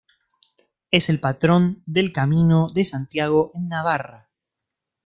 Es el patrón del Camino de Santiago en Navarra.